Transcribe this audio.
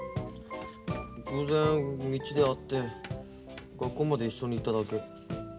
偶然道で会って学校まで一緒に行っただけ。